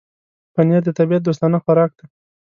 پنېر د طبيعت دوستانه خوراک دی.